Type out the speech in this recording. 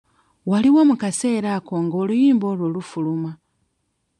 Wali wa mu kaseera ako nga oluyimba olwo lufuluma?